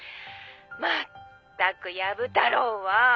「まったくヤブ太郎は！」